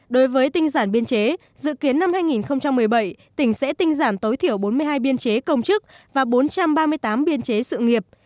đối với tinh giản biên chế dự kiến năm hai nghìn một mươi bảy tỉnh sẽ tinh giảm tối thiểu bốn mươi hai biên chế công chức và bốn trăm ba mươi tám biên chế sự nghiệp